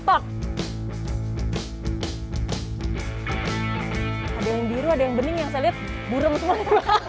ada yang biru ada yang bening yang saya lihat burem semua